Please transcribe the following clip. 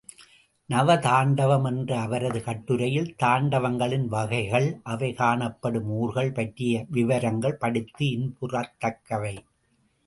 நவ தாண்டவம் என்ற அவரது கட்டுரையில் தாண்டவங்களின் வகைகள், அவை காணப்படும் ஊர்கள் பற்றிய விவரங்கள் படித்து இன்புறத்தக்கவை.